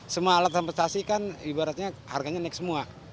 semua alat transportasi kan ibaratnya harganya naik semua